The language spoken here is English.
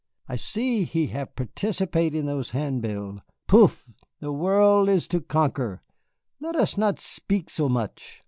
I see he have participate in those handbill. Poof, the world is to conquer, let us not spik so much."